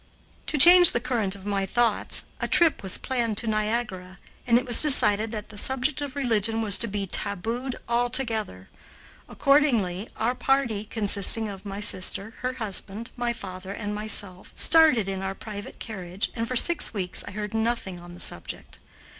To change the current of my thoughts, a trip was planned to Niagara, and it was decided that the subject of religion was to be tabooed altogether. Accordingly our party, consisting of my sister, her husband, my father and myself, started in our private carriage, and for six weeks I heard nothing on the subject.